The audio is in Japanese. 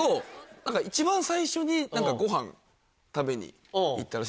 何か一番最初にごはん食べに行ったらしいんです。